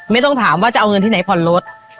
ไม่ต้องถามว่าจะเอาเงินที่ไหนผ่อนรถ